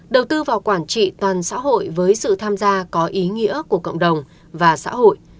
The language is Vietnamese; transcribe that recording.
đầu tư vào quản trị toàn xã hội với sự tham gia có ý nghĩa của cộng đồng và xã hội